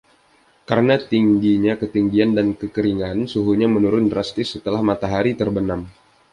Karena tingginya ketinggian dan kekeringan, suhunya menurun drastis setelah matahari terbenam.